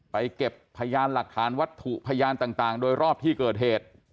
เก็บพยานหลักฐานวัตถุพยานต่างโดยรอบที่เกิดเหตุ